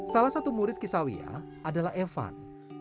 salah satu murid kisawia adalah evan